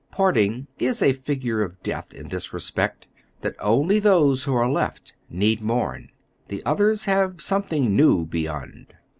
Parting is a figure of death in this respect, that only those who are left need mourn; the others have something new beyond.